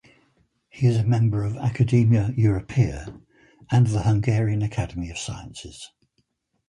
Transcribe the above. He is a member of Academia Europaea and the Hungarian Academy of Sciences.